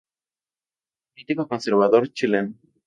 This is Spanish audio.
Político conservador chileno.